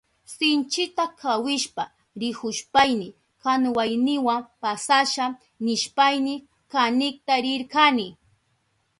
Sinchita kawishpa rihushpayni kanuwayniwa pasasha nishpayni kanikta rirkani.